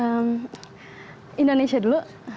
ehm indonesia dulu